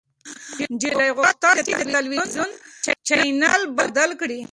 نجلۍ غوښتل چې د تلويزيون چاینل بدل کړي.